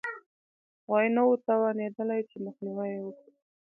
غوی نه وو توانېدلي چې مخنیوی یې وکړي